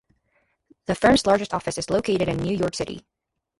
The firm's largest office is located in New York City.